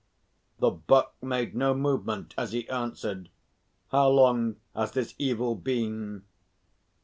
The Buck made no movement as he answered: "How long has this evil been?